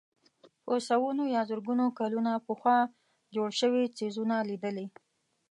په سوونو یا زرګونو کلونه پخوا جوړ شوي څېزونه لیدلي.